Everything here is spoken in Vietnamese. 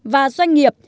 và doanh nghiệp